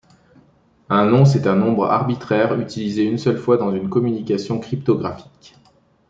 Un nonce est un nombre arbitraire utilisé une seule fois dans une communication cryptographique.